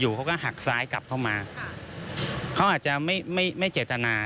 เขาก็หักซ้ายกลับเข้ามาเขาอาจจะไม่ไม่ไม่เจตนา